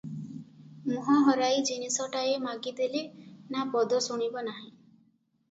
ମୁଁହ ହରାଇ ଜିନିଷଟାଏ ମାଗିଦେଲେ ନା ପଦ ଶୁଣିବ ନାହିଁ ।